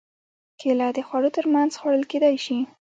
کېله د خوړو تر منځ خوړل کېدای شي.